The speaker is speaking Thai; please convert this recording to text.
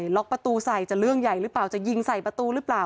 ล็อกประตูใส่จะเรื่องใหญ่หรือเปล่าจะยิงใส่ประตูหรือเปล่า